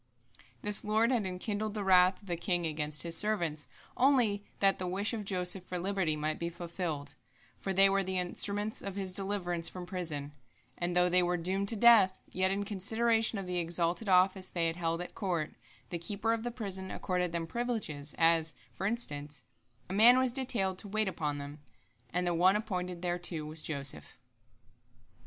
The Lord had enkindled the wrath of the king against his servants only that the wish of Joseph for liberty might be fulfilled, for they were the instruments of his deliverance from prison, and though they were doomed to death, yet in consideration of the exalted office they had held at court, the keeper of the prison accorded them privileges, as, for instance, a man was detailed to wait upon them, and the one appointed thereto was Joseph.